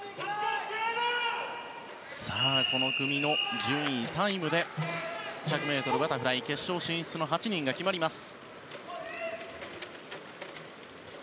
この組の順位、タイムで１００ｍバタフライ決勝進出の８人が決まります。